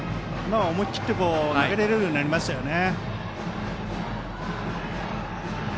思い切って投げれるようになりましたね。